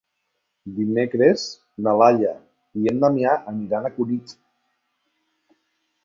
Dimecres na Laia i en Damià aniran a Cunit.